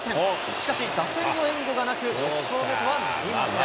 しかし、打線の援護がなく、６勝目とはなりません。